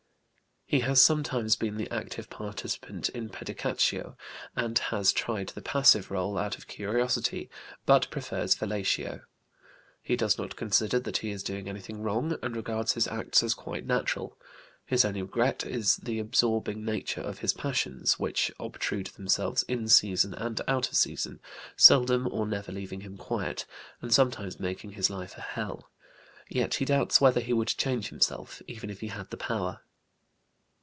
He has sometimes been the active participant in pedicatio, and has tried the passive rôle out of curiosity, but prefers fellatio. He does not consider that he is doing anything wrong, and regards his acts as quite natural. His only regret is the absorbing nature of his passions, which obtrude themselves in season and out of season, seldom or never leaving him quiet, and sometimes making his life a hell. Yet he doubts whether he would change himself, even if he had the power.